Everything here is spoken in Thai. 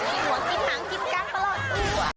กินหัวกินหางกินกันตลอด